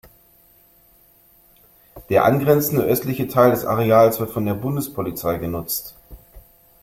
Der angrenzende östliche Teil des Areals wird von der Bundespolizei genutzt.